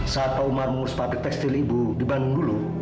saat pak umar mengurus pabrik tekstil ibu di bandung dulu